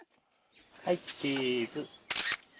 はいチーズ。